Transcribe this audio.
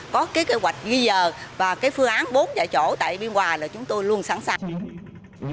có thể có thể có thể có thể có thể có thể có thể có thể có thể có thể có thể có thể có thể có thể